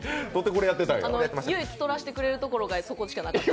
唯一、撮らせてくれるところがそこしかなかった。